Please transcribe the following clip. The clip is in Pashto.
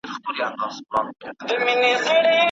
شاعر په خپل کلام کې د زړه د سکون لاره لټوي.